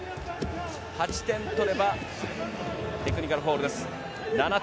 ８点とればテクニカルフォールです、７点。